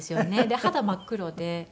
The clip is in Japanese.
で肌真っ黒で。